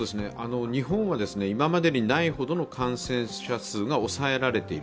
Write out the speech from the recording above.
日本は今までにないほどの感染者数が抑えられている。